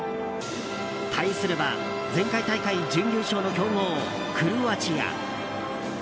対するは前回大会準優勝の強豪クロアチア。